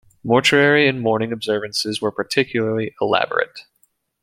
Mortuary and mourning observances were particularly elaborate.